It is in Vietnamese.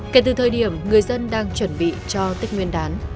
kể từ thời điểm người dân đang chuẩn bị cho tích nguyên đán